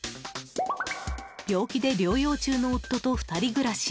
病気で療養中の夫と２人暮らし。